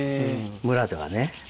村ではね。